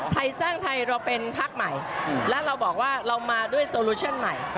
ไทยสร้างไทยเราเป็นพักใหม่แล้วเราบอกว่าเรามาด้วยโซลูชั่นใหม่